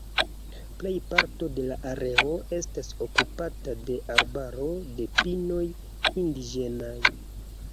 Plejparto de la areo estas okupata de arbaro de pinoj indiĝenaj.